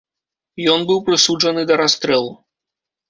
Ён быў прысуджаны да расстрэлу.